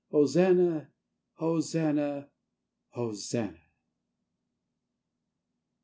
Hosanna! Hosanna! Hosanna!